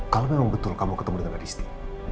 kalau memang betul kamu ketemu dengan adisti